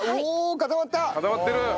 固まってる。